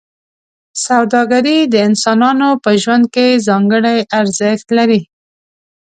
سوداګري د انسانانو په ژوند کې ځانګړی ارزښت لري.